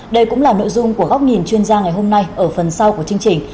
đây cũng là nội dung của góc nhìn chuyên gia ngày hôm nay ở phần sau của chương trình